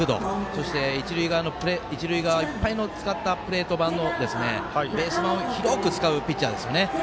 そして、一塁側いっぱいを使ったプレート板のベース板を広く使うピッチャーですね。